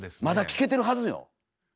まだ聞けてるはずよ。